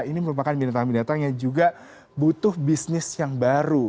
ini merupakan binatang binatang yang juga butuh bisnis yang baru